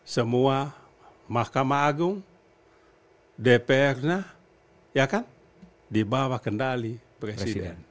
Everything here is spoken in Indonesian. semua mahkamah agung dpr nya dibawa kendali presiden